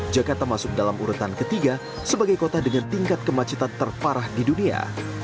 jakarta masuk dalam urutan ketiga sebagai kota dengan tingkat kemacetan terparah di dunia